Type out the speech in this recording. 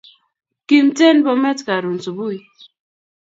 Kimten Bomet karun subui